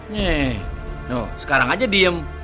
nyeh noh sekarang aja diem